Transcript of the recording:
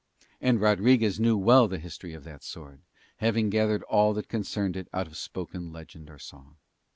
And Rodriguez knew well the history of that sword, having gathered all that concerned it out of spoken legend or song.